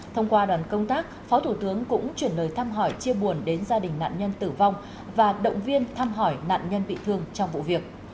thông qua đoàn công tác phó thủ tướng cũng chuyển lời thăm hỏi chia buồn đến gia đình nạn nhân tử vong và động viên thăm hỏi nạn nhân bị thương trong vụ việc